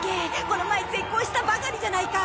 この前絶交したばかりじゃないか。